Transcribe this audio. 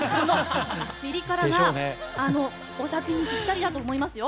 ピリ辛がお酒にぴったりだと思いますよ。